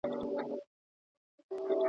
ولي زیاته ډوډۍ ماڼۍ ته یوړل سوه؟